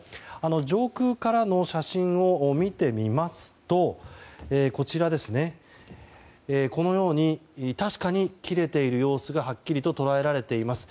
上空からの写真を見てみますとこのように確かに切れている様子がはっきりと捉えられています。